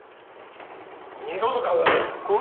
二度と顔を出すな！